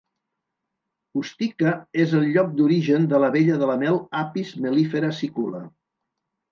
Ustica és el lloc d'origen de l'abella de la mel "apis mellifera sicula".